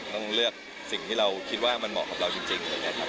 ต้องเลือกสิ่งที่เราคิดว่ามันเหมาะกับเราจริง